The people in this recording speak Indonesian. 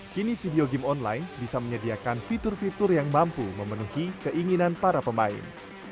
kini video game online bisa menyediakan fitur fitur yang mampu memenuhi keinginan para pemain